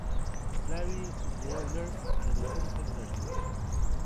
پلاوی له یو لړ یادښتونو سره راستون شو